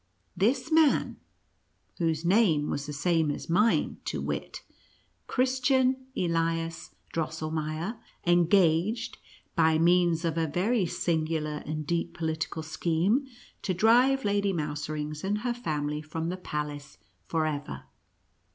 This man (whose name was the same as mine, to wit, Christian Elias Drosselmeier) engaged, by means of a very singular and deep political scheme, to drive Lady Mouserings and her family from the palace forever.